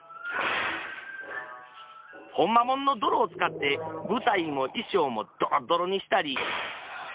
ほんまもんの泥を使って舞台も衣装もドロドロにしたり。